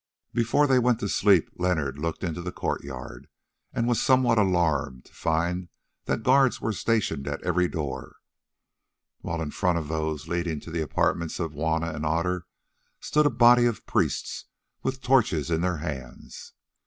Before they went to sleep Leonard looked into the courtyard, and was somewhat alarmed to find that guards were stationed at every door, while in front of those leading to the apartments of Juanna and Otter stood a body of priests with torches in their hands.